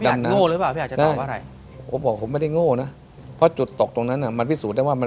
ถ้าเขาถามว่าพี่อาจโง่หรือเปล่าพี่อาจจะถามว่าอะไร